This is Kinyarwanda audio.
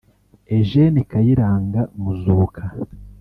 Eugene Kayiranga Muzuka